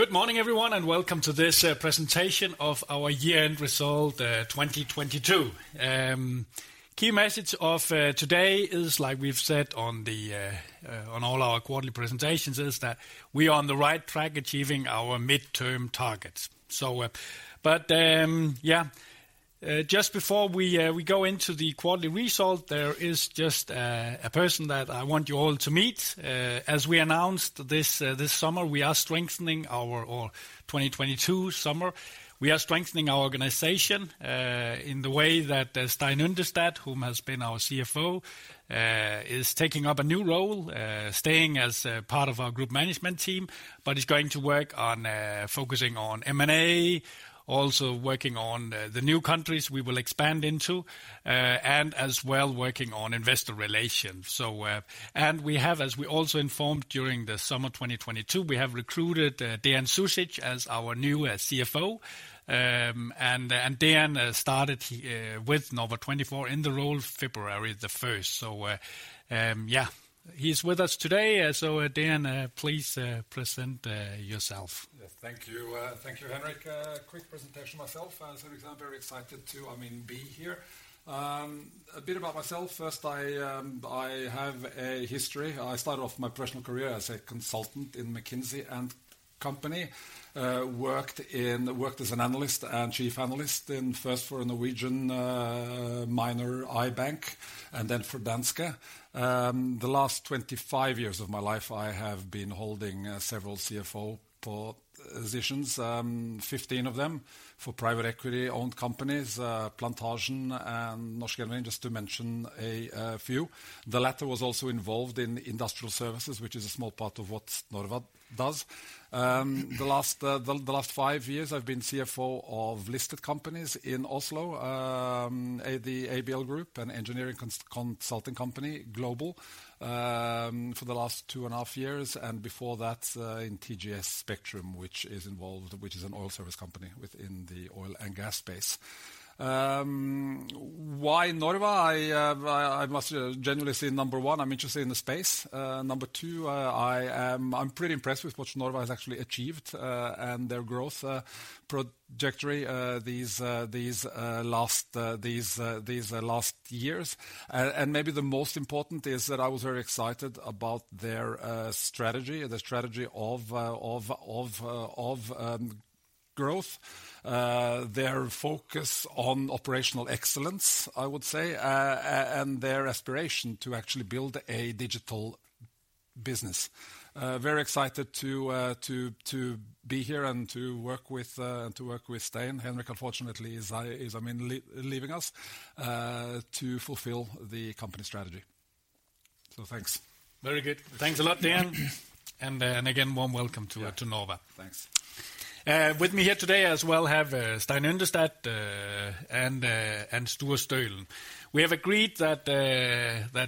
Good morning everyone, and welcome to this presentation of our year-end result 2022. Key message of today is like we've said on all our quarterly presentations, is that we are on the right track achieving our midterm targets. But, yeah, just before we go into the quarterly result, there is just a person that I want you all to meet. As we announced this summer, we are strengthening our... Or 2022 summer. We are strengthening our organization in the way that Stein Yndestad, whom has been our CFO, is taking up a new role, staying as a part of our group management team, but is going to work on focusing on M&A, also working on the new countries we will expand into, and as well working on investor relations. We have, as we also informed during the summer 2022, we have recruited Dean Zuzic as our new CFO. Dean started with Norva24 in the role February the first. He's with us today. Dean, please present yourself. Yeah. Thank you. Thank you, Henrik. Quick presentation myself. As I said, I'm very excited to, I mean, be here. A bit about myself first. I have a history. I started off my professional career as a consultant in McKinsey & Company. Worked as an analyst and chief analyst in first for a Norwegian minor Bank, and then for Danske. The last 25 years of my life I have been holding several CFO positions, 15 of them for private equity-owned companies, Plantasjen and Norske Skog, just to mention a few. The latter was also involved in industrial services, which is a small part of what Norva does. The last 5 years I've been CFO of listed companies in Oslo. The ABL Group, an engineering consulting company, global, for the last 2 and a half years, and before that, in Spectrum ASA, which is an oil service company within the oil and gas space. Why Norva? I must genuinely say number 1, I'm interested in the space. Number 2, I'm pretty impressed with what Norva has actually achieved and their growth trajectory these last years. Maybe the most important is that I was very excited about their strategy, the strategy of growth, their focus on operational excellence, I would say, and their aspiration to actually build a digital business. Very excited to be here and to work with Stein. Henrik, unfortunately, is, I mean, leaving us to fulfill the company strategy. Thanks. Very good. Thanks a lot, Dean. Again, warm welcome to Norva. Yeah. Thanks. With me here today as well, have Stein Yndestad and Sture Stölen. We have agreed that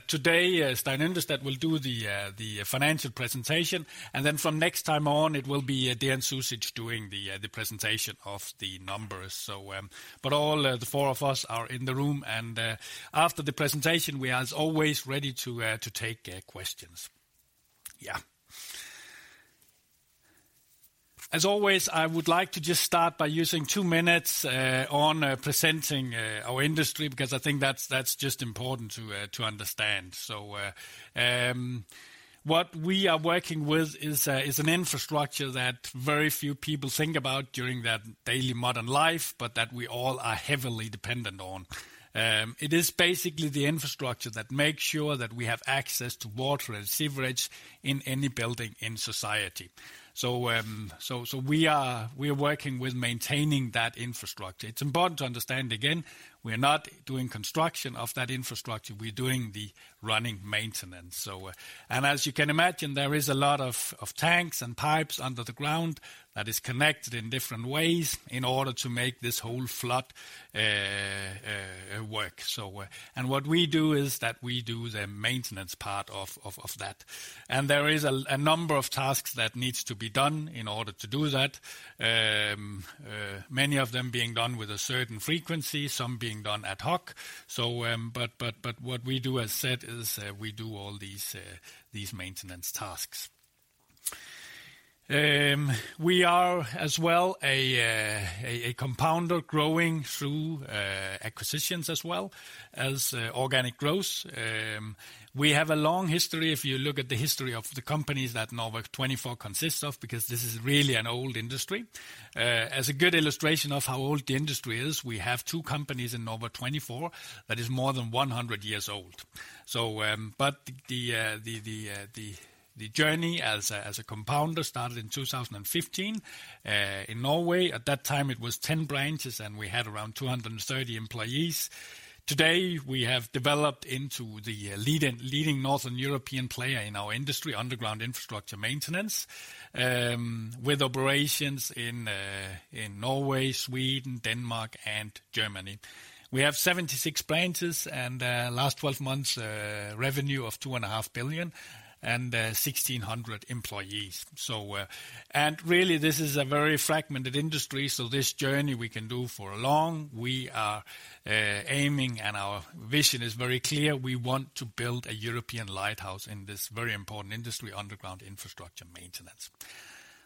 today Stein Yndestad will do the financial presentation, and then from next time on, it will be Dean Zuzic doing the presentation of the numbers. All the four of us are in the room and after the presentation, we are as always ready to take questions. As always, I would like to just start by using two minutes on presenting our industry, because I think that's just important to understand. What we are working with is an infrastructure that very few people think about during their daily modern life, but that we all are heavily dependent on. It is basically the infrastructure that makes sure that we have access to water and sewerage in any building in society. We are working with maintaining that infrastructure. It's important to understand, again, we're not doing construction of that infrastructure. We're doing the running maintenance. As you can imagine, there is a lot of tanks and pipes under the ground that is connected in different ways in order to make this whole flood work. What we do is that we do the maintenance part of that. There is a number of tasks that needs to be done in order to do that. Many of them being done with a certain frequency, some being done ad hoc. What we do as said is, we do all these maintenance tasks. We are as well a compounder growing through acquisitions as well as organic growth. We have a long history, if you look at the history of the companies that Norva24 consists of, because this is really an old industry. As a good illustration of how old the industry is, we have two companies in Norva24 that is more than 100 years old. The journey as a compounder started in 2015 in Norway. At that time, it was 10 branches, and we had around 230 employees. Today, we have developed into the leading Northern European player in our industry, underground infrastructure maintenance, with operations in Norway, Sweden, Denmark and Germany. We have 76 branches, and last twelve months revenue of 2.5 billion and 1,600 employees. Really this is a very fragmented industry, so this journey we can do for long. We are aiming, and our vision is very clear. We want to build a European lighthouse in this very important industry, underground infrastructure maintenance.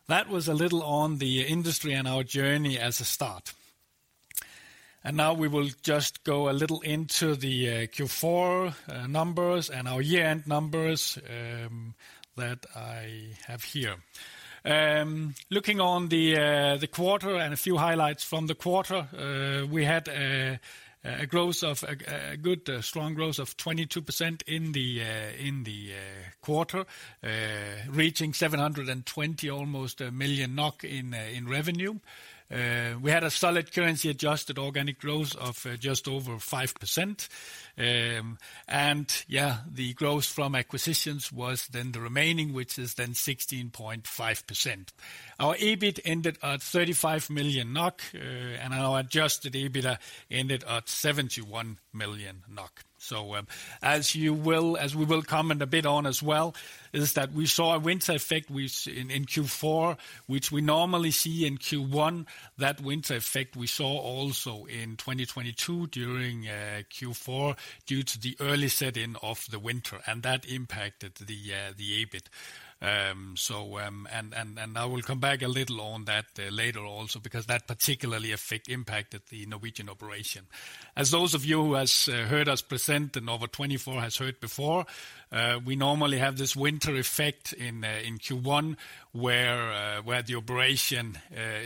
That was a little on the industry and our journey as a start. Now we will just go a little into the Q4 numbers and our year-end numbers that I have here. Looking on the quarter and a few highlights from the quarter. We had a good strong growth of 22% in the quarter, reaching 720 almost 1 million NOK in revenue. We had a solid currency-adjusted organic growth of just over 5%. The growth from acquisitions was the remaining, which is 16.5%. Our EBIT ended at 35 million NOK, our adjusted EBITDA ended at 71 million NOK. As you will, as we will comment a bit on as well, is that we saw a winter effect in Q4, which we normally see in Q1. That winter effect we saw also in 2022 during Q4 due to the early set in of the winter, that impacted the EBIT. I will come back a little on that later also because that particularly effect impacted the Norwegian operation. As those of you who has heard us present and Norva24 has heard before, we normally have this winter effect in Q1, where the operation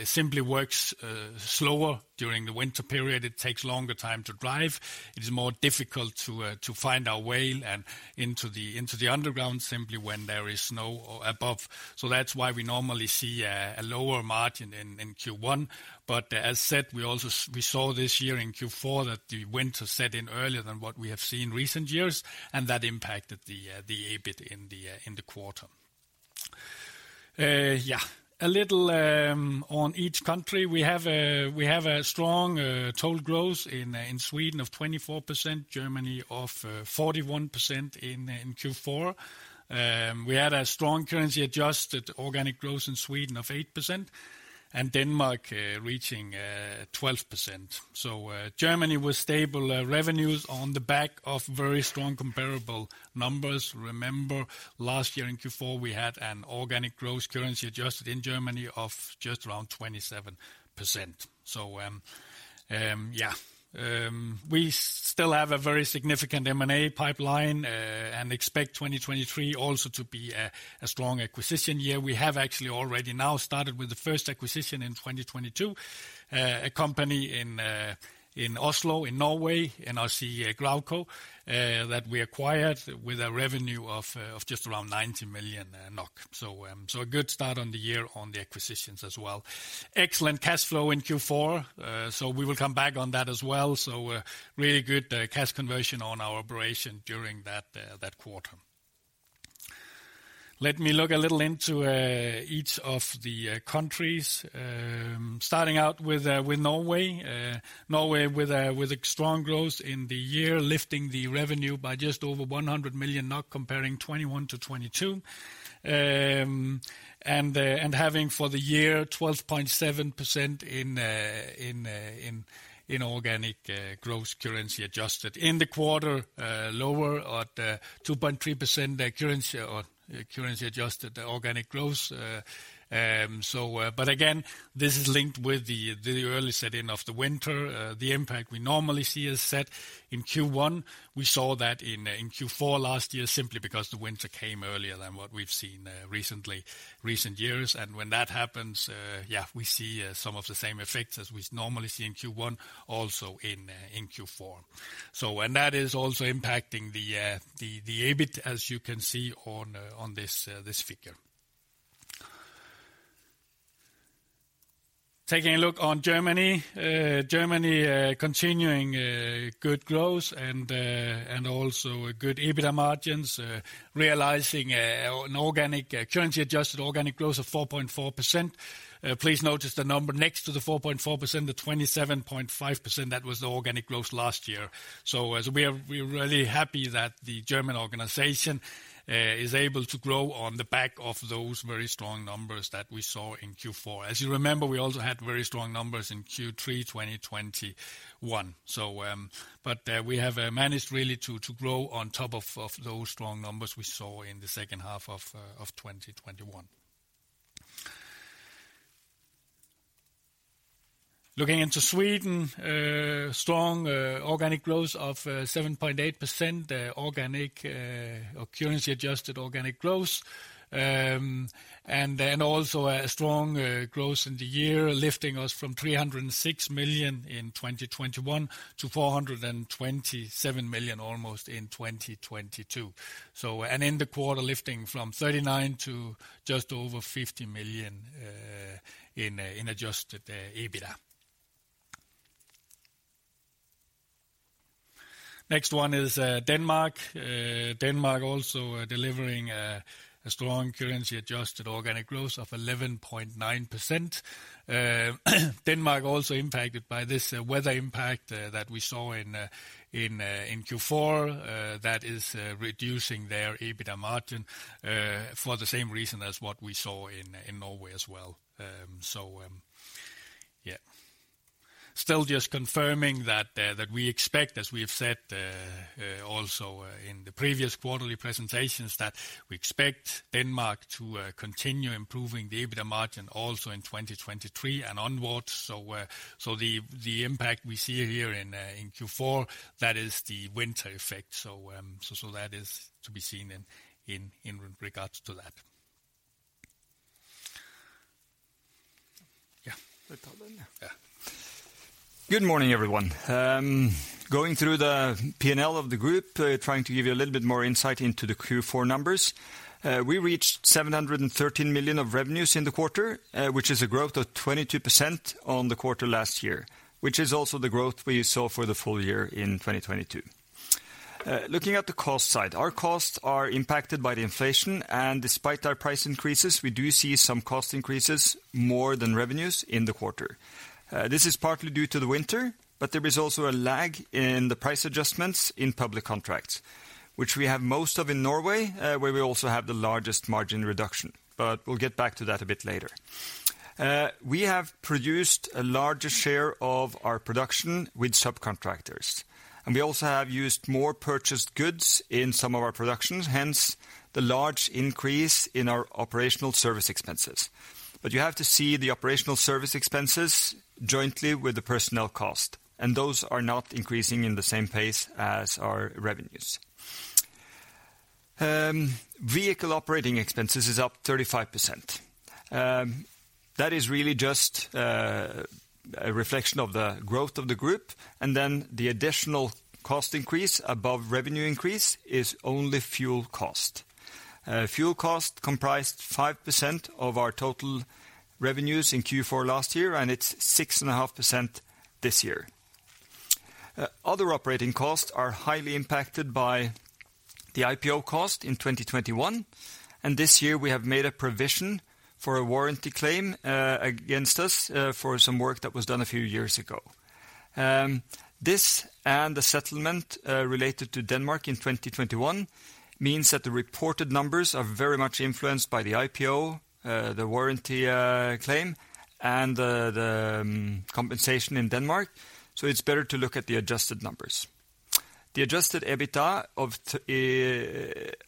simply works slower during the winter period. It takes longer time to drive. It is more difficult to find our way and into the, into the underground simply when there is snow above. That's why we normally see a lower margin in Q1. As said, we also we saw this year in Q4 that the winter set in earlier than what we have seen in recent years, and that impacted the EBIT in the quarter. Yeah. A little on each country. We have a strong total growth in Sweden of 24%, Germany of 41% in Q4. We had a strong currency-adjusted organic growth in Sweden of 8%, and Denmark reaching 12%. Germany with stable revenues on the back of very strong comparable numbers. Remember, last year in Q4, we had an organic growth currency-adjusted in Germany of just around 27%. Yeah. We still have a very significant M&A pipeline and expect 2023 also to be a strong acquisition year. We have actually already now started with the first acquisition in 2022, a company in Oslo, in Norway, NRC Gravco, that we acquired with a revenue of just around 90 million NOK. A good start on the year on the acquisitions as well. Excellent cash flow in Q4, we will come back on that as well. really good cash conversion on our operation during that quarter. Let me look a little into each of the countries, starting out with Norway. Norway with a strong growth in the year, lifting the revenue by just over 100 million comparing 2021 to 2022. And having for the year 12.7% in organic growth currency-adjusted. In the quarter, lower at 2.3% currency or currency-adjusted organic growth. But again, this is linked with the early set in of the winter. The impact we normally see is set in Q1. We saw that in Q4 last year simply because the winter came earlier than what we've seen recently, recent years. When that happens, we see some of the same effects as we normally see in Q1, also in Q4. That is also impacting the EBIT, as you can see on this figure. Taking a look on Germany. Germany continuing good growth and also a good EBITDA margins, realizing an organic currency-adjusted organic growth of 4.4%. Please notice the number next to the 4.4%, the 27.5%, that was the organic growth last year. as we are, we're really happy that the German organization is able to grow on the back of those very strong numbers that we saw in Q4. As you remember, we also had very strong numbers in Q3 2021. We have managed really to grow on top of those strong numbers we saw in the H2 of 2021. Looking into Sweden, strong organic growth of 7.8% organic or currency-adjusted organic growth. Also a strong growth in the year, lifting us from 306 million in 2021 to 427 million almost in 2022. In the quarter, lifting from 39 million to just over 50 million in adjusted EBITDA. Next one is Denmark. Denmark also delivering a strong currency-adjusted organic growth of 11.9%. Denmark also impacted by this weather impact that we saw in Q4 that is reducing their EBITDA margin for the same reason as what we saw in Norway as well. Still just confirming that we expect, as we have said, also in the previous quarterly presentations, that we expect Denmark to continue improving the EBITDA margin also in 2023 and onwards. The impact we see here in Q4, that is the winter effect. That is to be seen in regards to that. Yeah. Yeah. Good morning, everyone. Going through the P&L of the group, trying to give you a little bit more insight into the Q4 numbers. We reached 713 million of revenues in the quarter, which is a growth of 22% on the quarter last year, which is also the growth we saw for the full year in 2022. Looking at the cost side, our costs are impacted by the inflation, and despite our price increases, we do see some cost increases more than revenues in the quarter. This is partly due to the winter, but there is also a lag in the price adjustments in public contracts, which we have most of in Norway, where we also have the largest margin reduction. We'll get back to that a bit later. We have produced a larger share of our production with subcontractors, and we also have used more purchased goods in some of our productions, hence the large increase in our operational service expenses. You have to see the operational service expenses jointly with the personnel cost, and those are not increasing in the same pace as our revenues. Vehicle operating expenses is up 35%. That is really just a reflection of the growth of the group, and then the additional cost increase above revenue increase is only fuel cost. Fuel cost comprised 5% of our total revenues in Q4 last year, and it's 6.5% this year. Other operating costs are highly impacted by the IPO cost in 2021, this year we have made a provision for a warranty claim against us for some work that was done a few years ago. This and the settlement related to Denmark in 2021 means that the reported numbers are very much influenced by the IPO, the warranty claim and the compensation in Denmark. It's better to look at the adjusted numbers. The adjusted EBITDA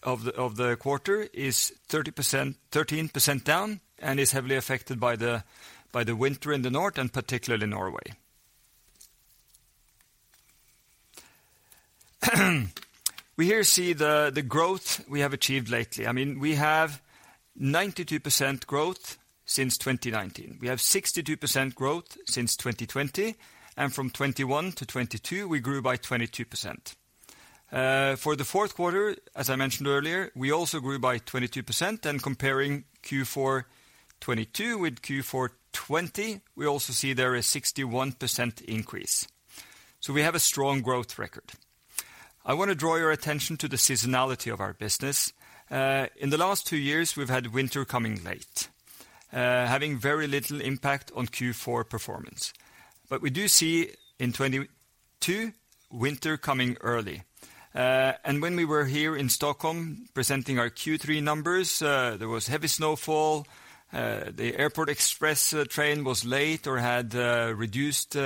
of the quarter is 13% down and is heavily affected by the winter in the north and particularly Norway. We here see the growth we have achieved lately. I mean, we have 92% growth since 2019. We have 62% growth since 2020, and from 2021 to 2022, we grew by 22%. For the Q4, as I mentioned earlier, we also grew by 22%. Comparing Q4 2022 with Q4 2020, we also see there a 61% increase. We have a strong growth record. I wanna draw your attention to the seasonality of our business. In the last two years, we've had winter coming late, having very little impact on Q4 performance. We do see in 2022 winter coming early. When we were here in Stockholm presenting our Q3 numbers, there was heavy snowfall. The Airport Express Train was late or had reduced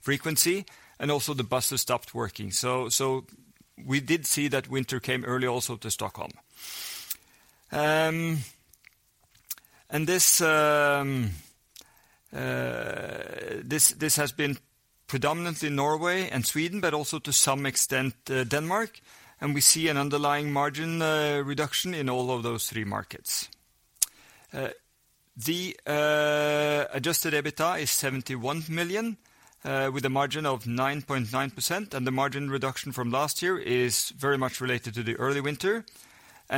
frequency, and also the buses stopped working. We did see that winter came early also to Stockholm. This has been predominantly Norway and Sweden, but also to some extent, Denmark. We see an underlying margin reduction in all of those three markets. The adjusted EBITDA is 71 million with a margin of 9.9%. The margin reduction from last year is very much related to the early winter.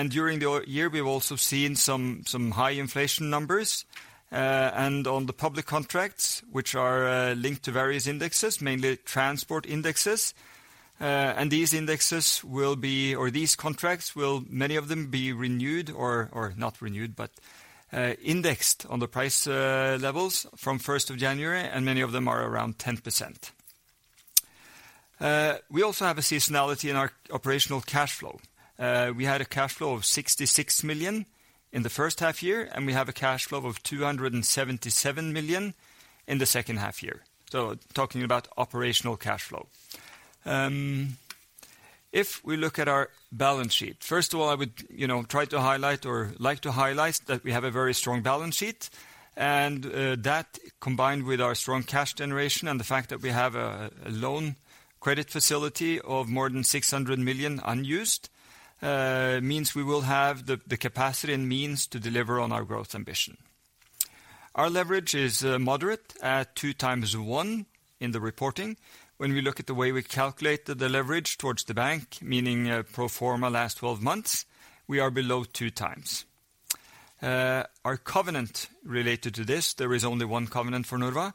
During the year, we've also seen some high inflation numbers, and on the public contracts, which are linked to various indexes, mainly transport indexes. These indexes will be, or these contracts will many of them be renewed, or not renewed, but indexed on the price levels from 1st of January. Many of them are around 10%. We also have a seasonality in our operational cash flow. We had a cash flow of 66 million in the H1 year, and we have a cash flow of 277 million in the H2 year, so talking about operational cash flow. If we look at our balance sheet, first of all, I would, you know, try to highlight or like to highlight that we have a very strong balance sheet. That combined with our strong cash generation and the fact that we have a loan credit facility of more than 600 million unused, means we will have the capacity and means to deliver on our growth ambition. Our leverage is moderate at 2.1x in the reporting. When we look at the way we calculate the leverage towards the bank, meaning pro forma last twelve months, we are below 2x. Our covenant related to this, there is only one covenant for Norva,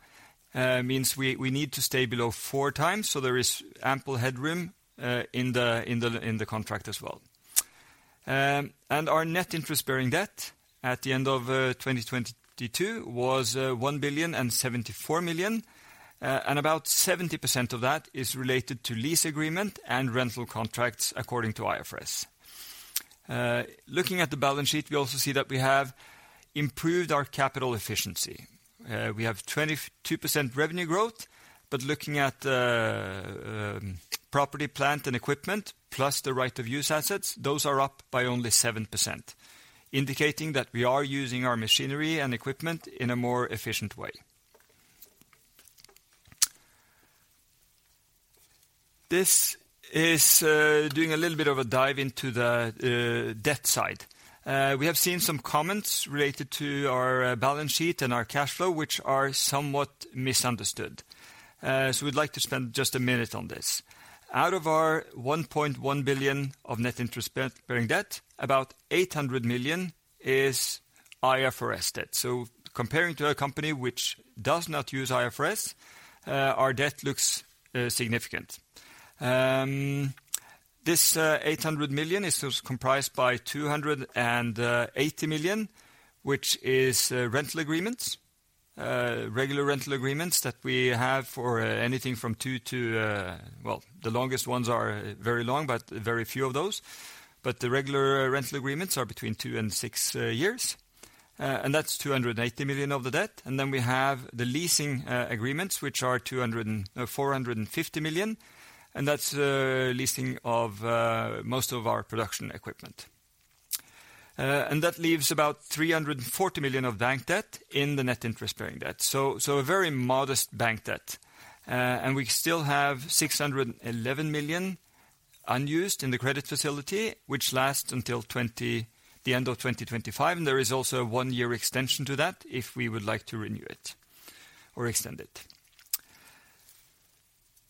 means we need to stay below four times, there is ample headroom in the contract as well. Our net interest-bearing debt at the end of 2022 was 1,074 million, and about 70% of that is related to lease agreement and rental contracts according to IFRS. Looking at the balance sheet, we also see that we have improved our capital efficiency. We have 22% revenue growth, looking at property, plant, and equipment, plus the right-of-use assets, those are up by only 7%, indicating that we are using our machinery and equipment in a more efficient way. This is doing a little bit of a dive into the debt side. We have seen some comments related to our balance sheet and our cash flow, which are somewhat misunderstood. We'd like to spend just a minute on this. Out of our 1.1 billion of net interest-bearing debt, about 800 million is IFRS debt. Comparing to a company which does not use IFRS, our debt looks significant. This 800 million is comprised by 280 million, which is rental agreements, regular rental agreements that we have for anything from 2 to, well, the longest ones are very long, but very few of those. The regular rental agreements are between 2 and 6 years. That's 280 million of the debt. We have the leasing agreements, which are 450 million, and that's leasing of most of our production equipment. That leaves about 340 million of bank debt in the Net Interest-Bearing Debt. A very modest bank debt. We still have 611 million unused in the credit facility, which lasts until the end of 2025. There is also a 1-year extension to that if we would like to renew it or extend it.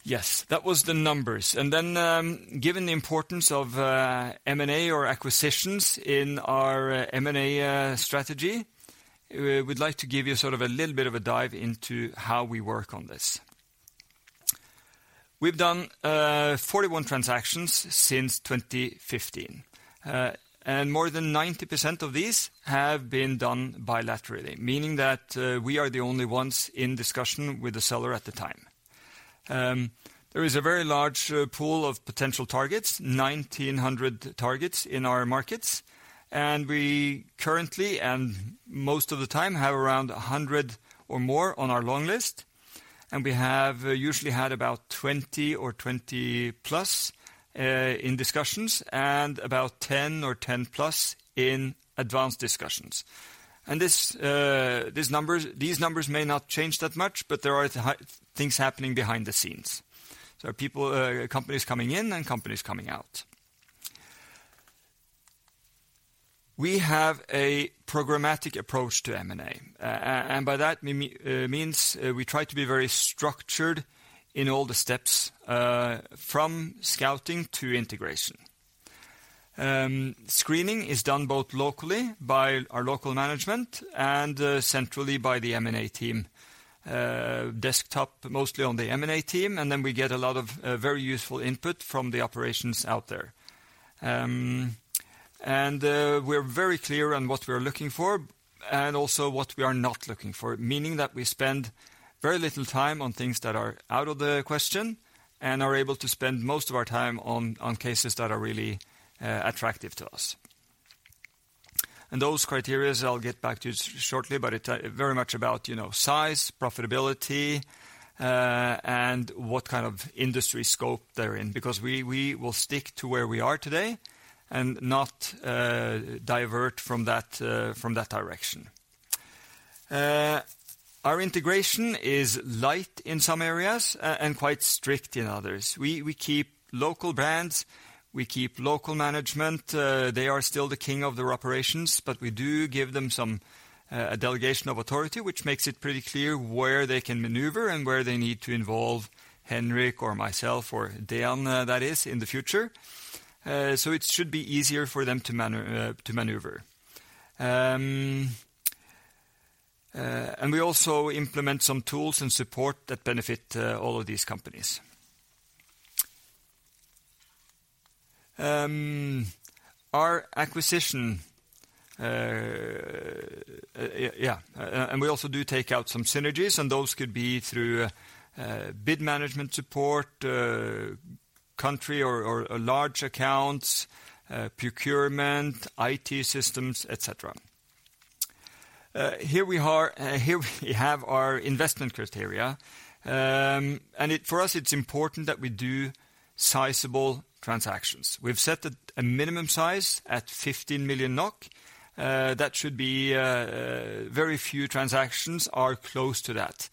Yes, that was the numbers. Given the importance of M&A or acquisitions in our M&A strategy, we'd like to give you sort of a little bit of a dive into how we work on this. We've done 41 transactions since 2015. More than 90% of these have been done bilaterally, meaning that we are the only ones in discussion with the seller at the time. There is a very large pool of potential targets, 1,900 targets in our markets, and we currently, and most of the time, have around 100 or more on our long list. We have usually had about 20 or 20+ in discussions and about 10 or 10+ in advanced discussions. These numbers may not change that much, but there are things happening behind the scenes. People, companies coming in and companies coming out. We have a programmatic approach to M&A, and by that we means we try to be very structured in all the steps from scouting to integration. Screening is done both locally by our local management and centrally by the M&A team, desktop, mostly on the M&A team. We get a lot of very useful input from the operations out there. We're very clear on what we are looking for and also what we are not looking for, meaning that we spend very little time on things that are out of the question and are able to spend most of our time on cases that are really attractive to us. Those criteria I'll get back to shortly, but it very much about, you know, size, profitability, and what kind of industry scope they're in, because we will stick to where we are today and not divert from that from that direction. Our integration is light in some areas and quite strict in others. We keep local brands, we keep local management. They are still the king of their operations, we do give them some a delegation of authority, which makes it pretty clear where they can maneuver and where they need to involve Henrik or myself or Dean, that is, in the future. It should be easier for them to maneuver. We also implement some tools and support that benefit all of these companies. Our acquisition, we also do take out some synergies, and those could be through bid management support, country or large accounts, procurement, IT systems, et cetera. Here we have our investment criteria. For us, it's important that we do sizable transactions. We've set a minimum size at 15 million NOK. That should be very few transactions are close to that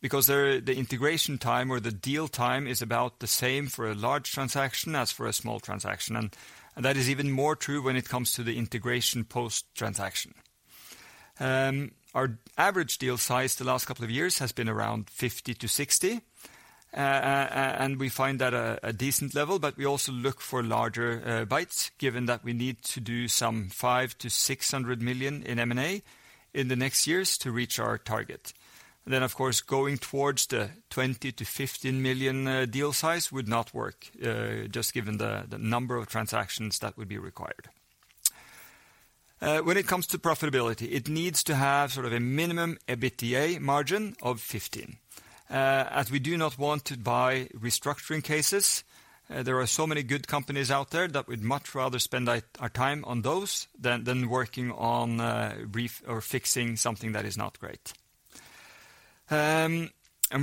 because there, the integration time or the deal time is about the same for a large transaction as for a small transaction. That is even more true when it comes to the integration post-transaction. Our average deal size the last couple of years has been around 50 to 60, and we find that a decent level, we also look for larger bites given that we need to do some 500-600 million NOK in M&A in the next years to reach our target. Of course, going towards the 20 million-15 million deal size would not work, just given the number of transactions that would be required. When it comes to profitability, it needs to have sort of a minimum EBITDA margin of 15%. As we do not want to buy restructuring cases, there are so many good companies out there that we'd much rather spend our time on those than working on or fixing something that is not great. We're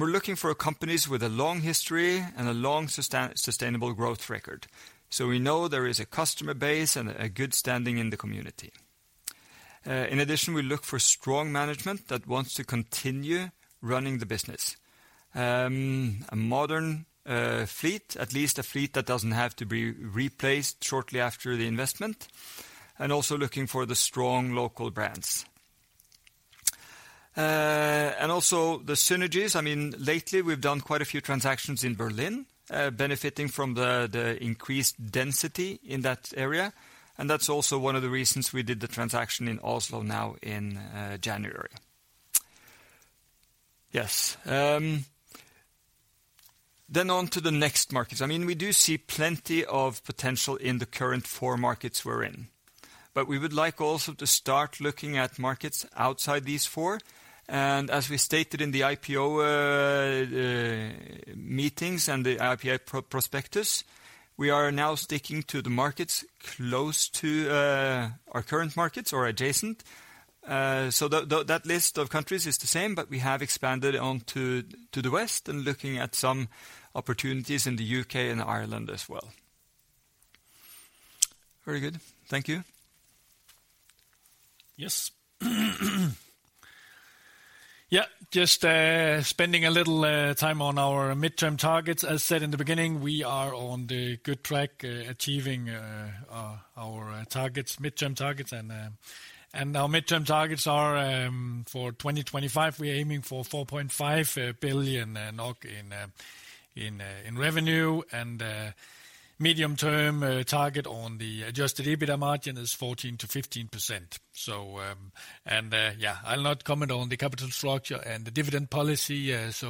looking for companies with a long history and a long sustainable growth record, so we know there is a customer base and a good standing in the community. In addition, we look for strong management that wants to continue running the business. A modern fleet, at least a fleet that doesn't have to be replaced shortly after the investment, and also looking for the strong local brands. Also the synergies. I mean, lately we've done quite a few transactions in Berlin, benefiting from the increased density in that area, and that's also one of the reasons we did the transaction in Oslo now in January. Yes. On to the next markets. I mean, we do see plenty of potential in the current four markets we're in, but we would like also to start looking at markets outside these four. As we stated in the IPO meetings and the IPO prospectus, we are now sticking to the markets close to our current markets or adjacent. That list of countries is the same, but we have expanded on to the West and looking at some opportunities in the UK and Ireland as well. Very good. Thank you. Yes. Just spending a little time on our midterm targets. As said in the beginning, we are on the good track achieving our midterm targets. Our midterm targets are for 2025, we're aiming for 4.5 billion NOK in revenue. Medium-term target on the adjusted EBITDA margin is 14%-15%. I'll not comment on the capital structure and the dividend policy, that's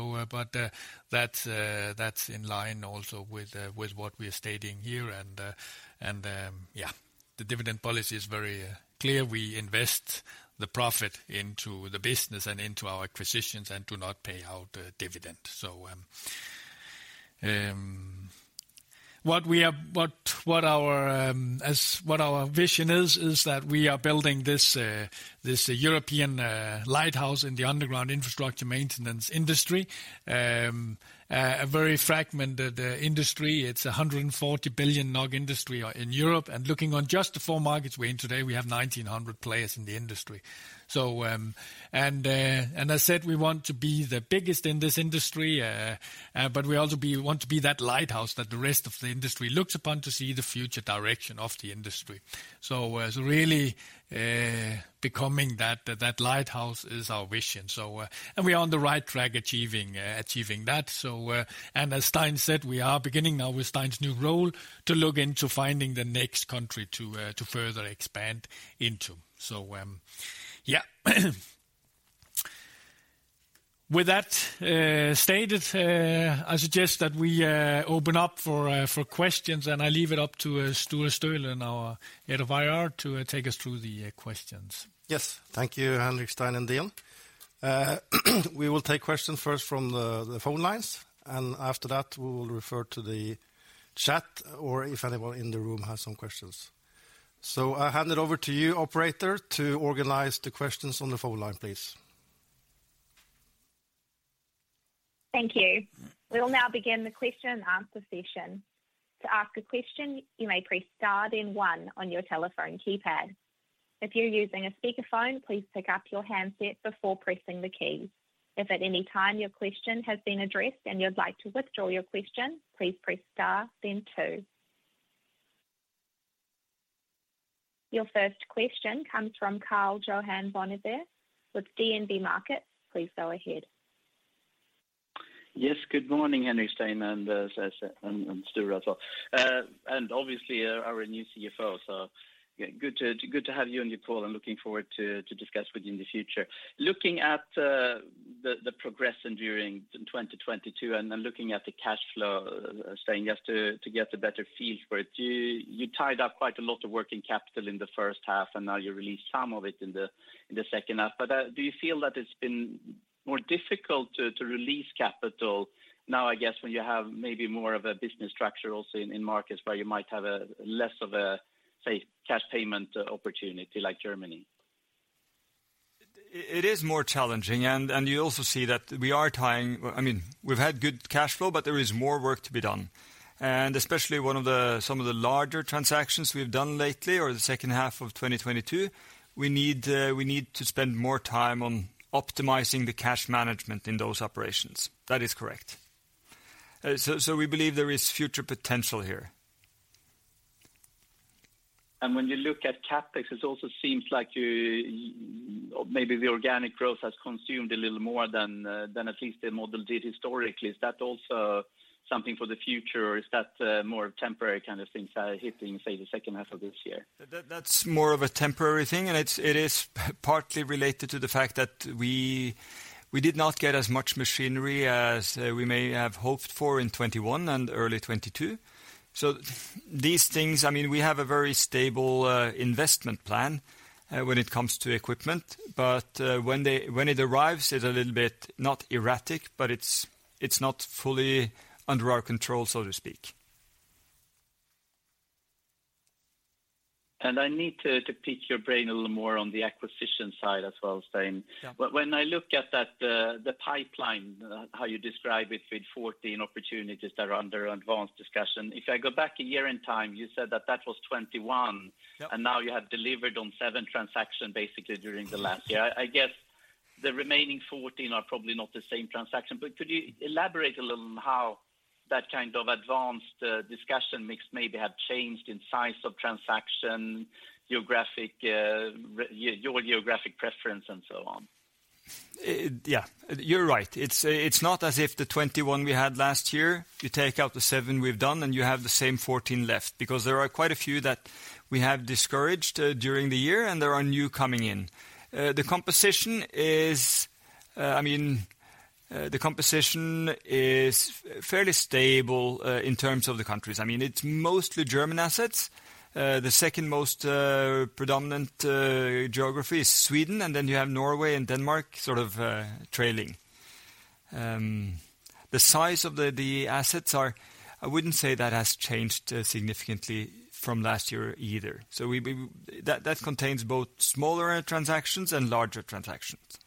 in line also with what we are stating here. The dividend policy is very clear. We invest the profit into the business and into our acquisitions and do not pay out dividend. What our... What our vision is that we are building this European lighthouse in the underground infrastructure maintenance industry. A very fragmented industry. It's a 140 billion industry in Europe. Looking on just the 4 markets we're in today, we have 1,900 players in the industry. I said we want to be the biggest in this industry. We also want to be that lighthouse that the rest of the industry looks upon to see the future direction of the industry. Really, becoming that lighthouse is our vision. We are on the right track achieving that. And as Stein said, we are beginning now with Stein's new role to look into finding the next country to further expand into. With that stated, I suggest that we open up for questions, and I leave it up to Sture Stölen, our Head of IR, to take us through the questions. Yes. Thank you, Henrik, Stein, and Dean. We will take questions first from the phone lines, and after that, we will refer to the chat or if anyone in the room has some questions. I hand it over to you, Operator, to organize the questions on the phone line, please. Thank you. We will now begin the question and answer session. To ask a question, you may press star then one on your telephone keypad. If you're using a speakerphone, please pick up your handset before pressing the keys. If at any time your question has been addressed and you'd like to withdraw your question, please press star then two. Your first question comes from Karl Johan Bonnier with DNB Markets. Please go ahead. Good morning, Henrik, Stein, and Sture as well. And obviously our new CFO. Good to have you and your call. I'm looking forward to discuss with you in the future. Looking at the progression during 2022 and then looking at the cash flow, saying just to get a better feel for it. You tied up quite a lot of working capital in the H1, and now you released some of it in the H2. Do you feel that it's been more difficult to release capital now, I guess, when you have maybe more of a business structure also in markets where you might have a less of a, say, cash payment opportunity like Germany? It is more challenging. You also see that we are tying... I mean, we've had good cash flow, but there is more work to be done. Especially one of the, some of the larger transactions we've done lately or the H2 of 2022, we need to spend more time on optimizing the cash management in those operations. That is correct. We believe there is future potential here. When you look at CapEx, it also seems like you or maybe the organic growth has consumed a little more than than at least the model did historically. Is that also something for the future, or is that more temporary kind of things hitting, say, the H2 of this year? That's more of a temporary thing. It's partly related to the fact that we did not get as much machinery as we may have hoped for in 2021 and early 2022. These things, I mean, we have a very stable investment plan. When it comes to equipment, but when it arrives, it's a little bit not erratic, but it's not fully under our control, so to speak. I need to pick your brain a little more on the acquisition side as well, Stein. Yeah. When I look at that, the pipeline, how you describe it with 14 opportunities that are under advanced discussion. If I go back a year in time, you said that that was 21. Yeah. Now you have delivered on seven transaction basically during the last year. I guess the remaining 14 are probably not the same transaction, but could you elaborate a little on how that kind of advanced discussion mix maybe have changed in size of transaction, geographic, your geographic preference, and so on. Yeah, you're right. It's not as if the 21 we had last year, you take out the 7 we've done, and you have the same 14 left because there are quite a few that we have discouraged during the year, and there are new coming in. The composition is, I mean, the composition is fairly stable in terms of the countries. I mean, it's mostly German assets. The second most predominant geography is Sweden, and then you have Norway and Denmark sort of trailing. The size of the assets are. I wouldn't say that has changed significantly from last year either. We've been. That contains both smaller transactions and larger transactions.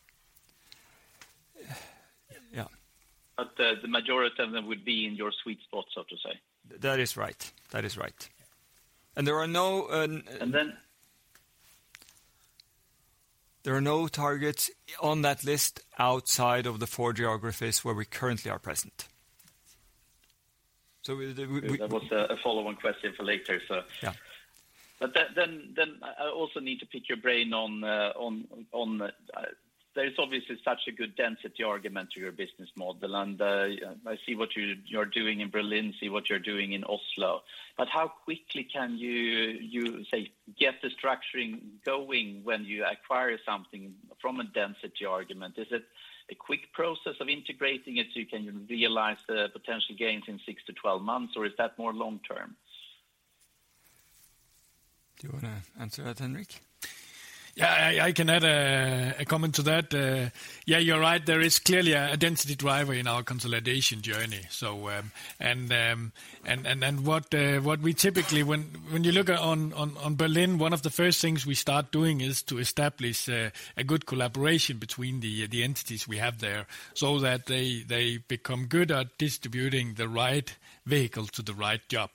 Yeah. The majority of them would be in your sweet spot, so to say. That is right. That is right. There are no, Then? There are no targets on that list outside of the four geographies where we currently are present. That was a follow-on question for later, so. Yeah. I also need to pick your brain on, there is obviously such a good density argument to your business model, and I see what you're doing in Berlin, see what you're doing in Oslo. How quickly can you say get the structuring going when you acquire something from a density argument? Is it a quick process of integrating it, so you can realize the potential gains in 6-12 months? Or is that more long-term? Do you wanna answer that, Henrik? I can add a comment to that. You're right, there is clearly a density driver in our consolidation journey. What we typically when you look on Berlin, one of the first things we start doing is to establish a good collaboration between the entities we have there so that they become good at distributing the right vehicle to the right job.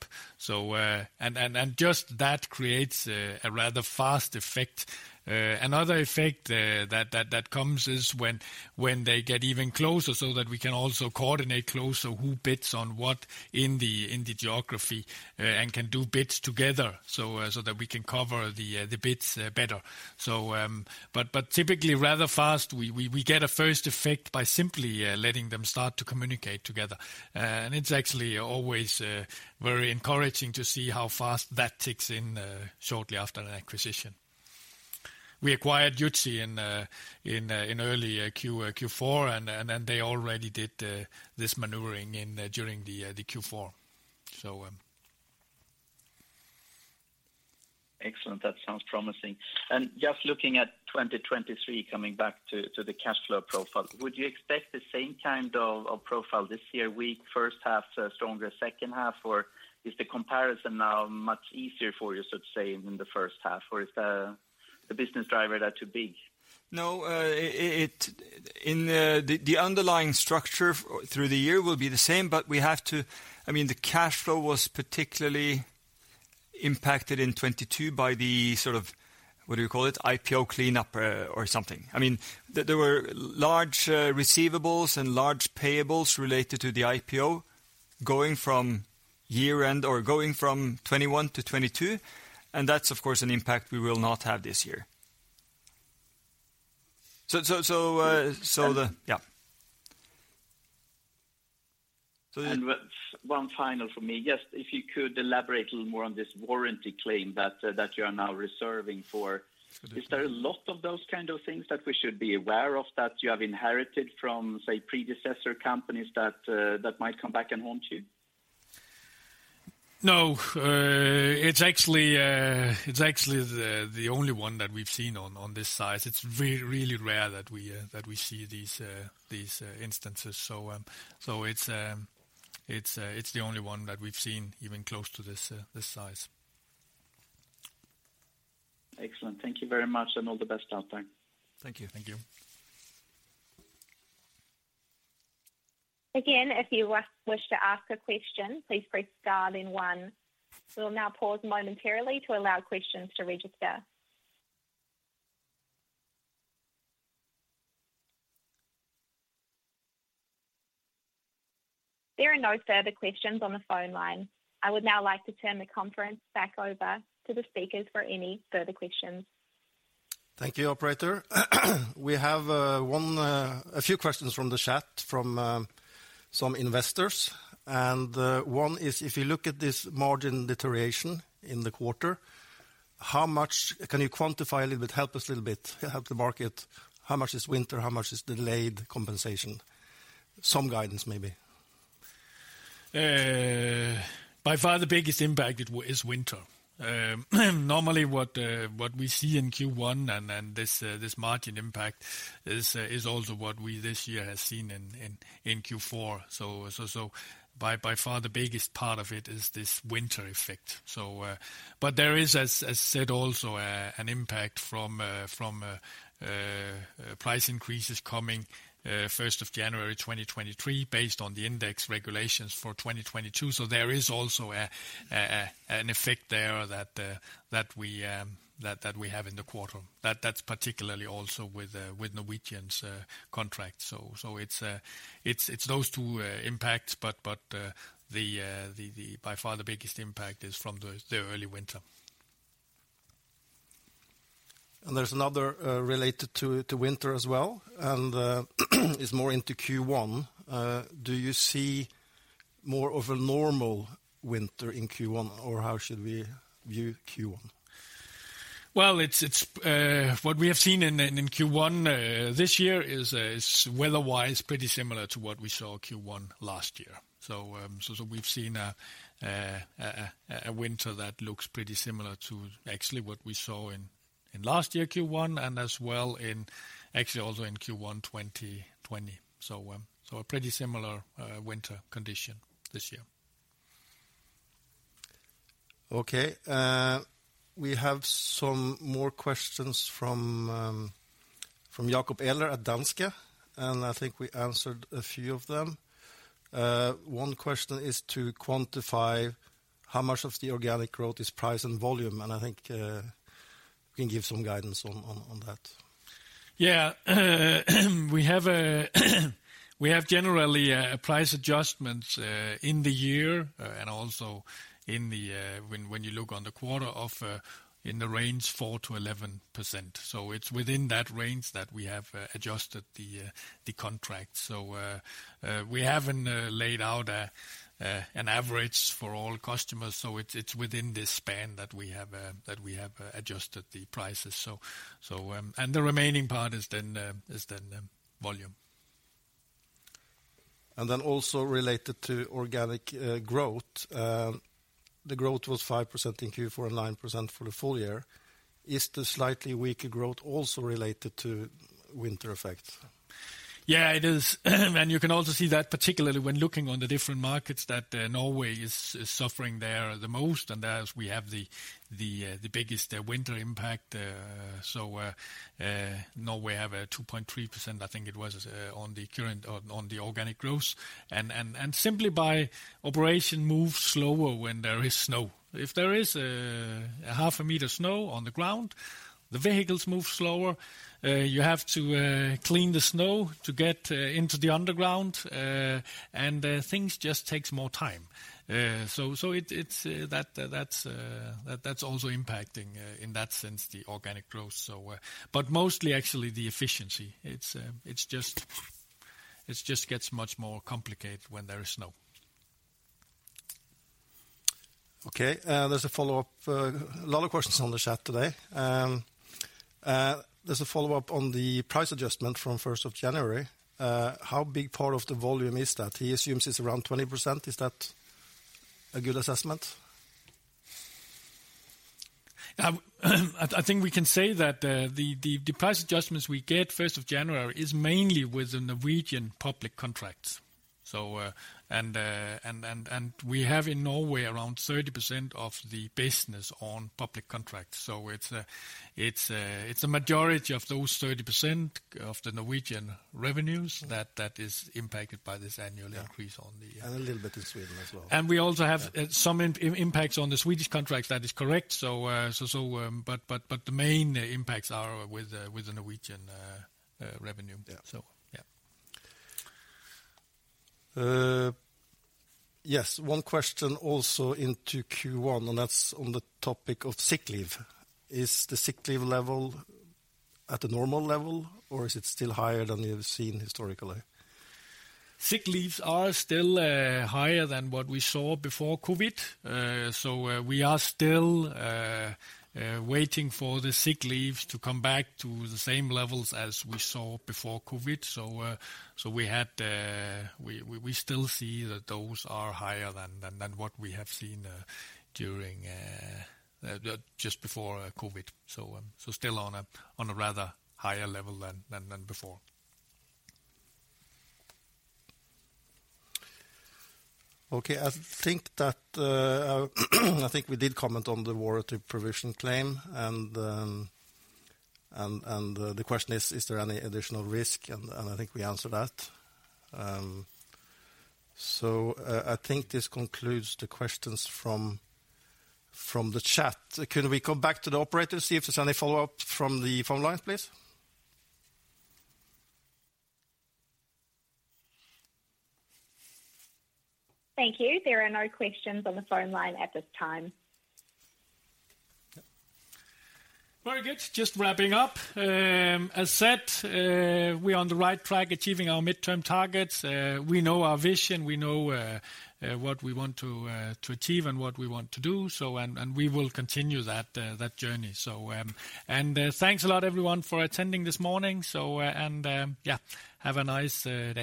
Just that creates a rather fast effect. Another effect that comes is when they get even closer so that we can also coordinate closer who bids on what in the geography and can do bids together so that we can cover the bids better. But typically rather fast, we get a first effect by simply letting them start to communicate together. It's actually always very encouraging to see how fast that kicks in shortly after an acquisition. We acquired Jutzy in early Q four, and they already did this maneuvering in during the Q four. Excellent. That sounds promising. Just looking at 2023, coming back to the cash flow profile, would you expect the same kind of profile this year, weak H1 to stronger H2? Is the comparison now much easier for you, so to say, in the H1? Is the business driver there too big? The underlying structure through the year will be the same, but we have to... I mean, the cash flow was particularly impacted in 2022 by the sort of, what do you call it, IPO cleanup, or something. I mean, there were large receivables and large payables related to the IPO going from year-end or going from 2021 to 2022, and that's of course an impact we will not have this year. So, so, so, uh, so the- Yeah. One final for me. Just if you could elaborate a little more on this warranty claim that you are now reserving for. Is there a lot of those kind of things that we should be aware of that you have inherited from, say, predecessor companies that might come back and haunt you? No. It's actually it's actually the only one that we've seen on this size. It's really rare that we that we see these instances. It's the only one that we've seen even close to this size. Excellent. Thank you very much. All the best out there. Thank you. Thank you. Again, if you wish to ask a question, please press star then one. We'll now pause momentarily to allow questions to register. There are no further questions on the phone line. I would now like to turn the conference back over to the speakers for any further questions. Thank you, operator. We have, one, a few questions from the chat from some investors. One is, if you look at this margin deterioration in the quarter, how much can you quantify a little bit? Help us a little bit. Help the market. How much is winter? How much is delayed compensation? Some guidance, maybe. By far the biggest impact it is winter. Normally what we see in Q1 and then this margin impact is also what we this year have seen in Q4. By far the biggest part of it is this winter effect. There is, as said, also an impact from price increases coming first of January 2023 based on the index regulations for 2022. There is also an effect there that we have in the quarter. That's particularly also with Norwegian's contract. It's those two impacts, but the by far the biggest impact is from the early winter. There's another, related to winter as well, and is more into Q1. Do you see more of a normal winter in Q1 or how should we view Q1? Well, it's what we have seen in Q1 this year is weather-wise pretty similar to what we saw Q1 last year. We've seen a winter that looks pretty similar to actually what we saw in last year Q1 and as well in, actually also in Q1 2020. A pretty similar winter condition this year. Okay. We have some more questions from Jacob Eller at Danske. I think we answered a few of them. One question is to quantify how much of the organic growth is price and volume. I think you can give some guidance on that. Yeah. We have generally price adjustments in the year, and also in the when you look on the quarter of, in the range 4%-11%. It's within that range that we have adjusted the contract. We haven't laid out an average for all customers, so it's within this span that we have adjusted the prices. The remaining part is then volume. Also related to organic growth. The growth was 5% in Q4 and 9% for the full year. Is the slightly weaker growth also related to winter effect? Yeah, it is. You can also see that particularly when looking on the different markets that Norway is suffering there the most, and there's, we have the biggest winter impact. Norway have a 2.3%, I think it was, on the current, on the organic growth. Simply by operation moves slower when there is snow. If there is a half a meter snow on the ground, the vehicles move slower. You have to clean the snow to get into the underground. Things just takes more time. It's that's that's also impacting in that sense the organic growth so. Mostly actually the efficiency. It's, it just gets much more complicated when there is snow. Okay. There's a follow-up. A lot of questions on the chat today. There's a follow-up on the price adjustment from first of January. How big part of the volume is that? He assumes it's around 20%. Is that a good assessment? I think we can say that the price adjustments we get 1st of January is mainly with the Norwegian public contracts. And we have in Norway around 30% of the business on public contracts. It's a majority of those 30% of the Norwegian revenues that is impacted by this annual increase. A little bit in Sweden as well. We also have some impacts on the Swedish contracts, that is correct. But the main impacts are with the Norwegian revenue. Yeah. Yeah. Yes. One question also into Q1, that's on the topic of sick leave. Is the sick leave level at the normal level or is it still higher than you've seen historically? Sick leaves are still higher than what we saw before COVID. We are still waiting for the sick leaves to come back to the same levels as we saw before COVID. We still see that those are higher than what we have seen during just before COVID. Still on a rather higher level than before. I think that, I think we did comment on the warranty provision claim and, the question is there any additional risk? I think we answered that. I think this concludes the questions from the chat. Could we come back to the operator, see if there's any follow-up from the phone lines, please? Thank you. There are no questions on the phone line at this time. Very good. Just wrapping up. As said, we're on the right track achieving our midterm targets. We know our vision, we know what we want to achieve and what we want to do, so, and we will continue that journey. Thanks a lot everyone for attending this morning. Yeah. Have a nice